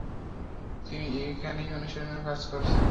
তিনি এখানেই অনুশীলনের কাজ করছেন।